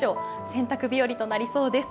洗濯日和となりそうです。